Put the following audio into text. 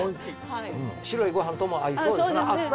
白いごはんとも合いそうですね。